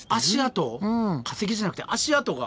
化石じゃなくて足跡が？